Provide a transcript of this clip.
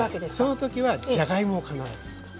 その時はじゃがいもを必ず使う。